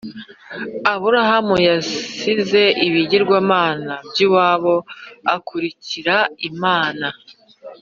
aburahamu yasize ibigirwamana byiwabo akurikira imana